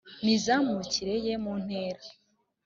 mizamukire ye mu ntera